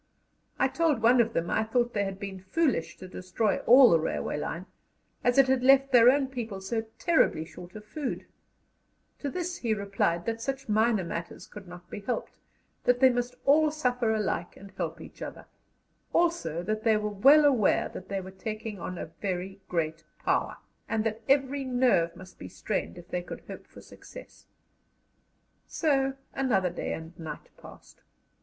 I told one of them I thought they had been foolish to destroy all the railway line, as it had left their own people so terribly short of food; to this he replied that such minor matters could not be helped, that they must all suffer alike and help each other; also that they were well aware that they were taking on a very great Power, and that every nerve must be strained if they could hope for success. So another day and night passed.